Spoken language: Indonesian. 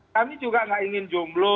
kami juga nggak ingin jomblo